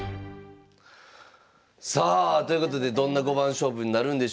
さあということでどんな五番勝負になるんでしょうか。